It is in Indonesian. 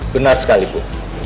benar sekali bu